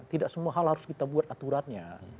tidak semua hal harus kita buat aturannya